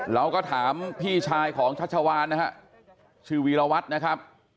เราก็ถามพี่ชายของชัชวานนะฮะชื่อวีรวัตรนะครับ